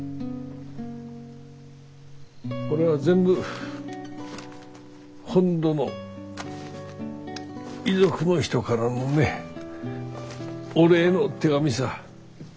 これは全部本土の遺族の人からのねお礼の手紙さ。